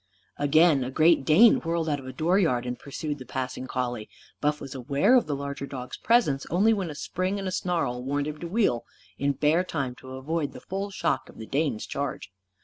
Again, a Great Dane whirled out of a dooryard and pursued the passing collie. Buff was aware of the larger dog's presence only when a spring and a snarl warned him to wheel, in bare time to avoid the full shock of the Dane's charge.